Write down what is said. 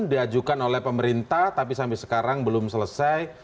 diajukan oleh pemerintah tapi sampai sekarang belum selesai